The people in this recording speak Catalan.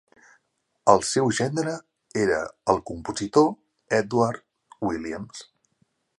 El seu gendre era el compositor Edward Williams.